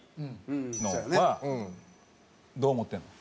どう思ってるの？